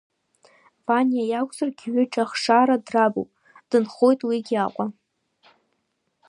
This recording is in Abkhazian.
Ваниа иакәзаргьы ҩыџьа ахшара драбуп, дынхоит уигьы Аҟәа.